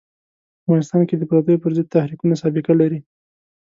په افغانستان کې د پردیو پر ضد تحریکونه سابقه لري.